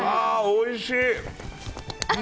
おいしい！